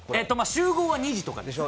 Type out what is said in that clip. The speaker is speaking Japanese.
集合は２時とかでしょ。